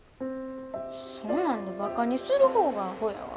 そんなんでバカにする方がアホやわ。